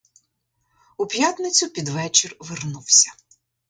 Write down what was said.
У п'ятницю під вечір вернувся.